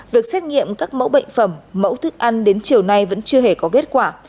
việc xét nghiệm các mẫu bệnh phẩm mẫu thức ăn đến chiều nay vẫn chưa hề có kết quả